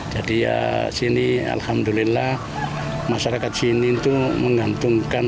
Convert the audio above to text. jadi ya sini alhamdulillah masyarakat sini itu mengantungkan